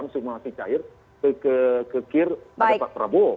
masih masih cair ke kir ada pak prabowo